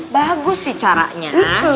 bagus sih caranya